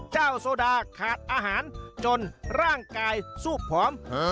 โซดาขาดอาหารจนร่างกายซูบผอม